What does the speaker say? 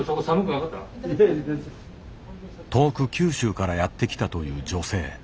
遠く九州からやって来たという女性。